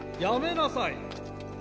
やめなさい。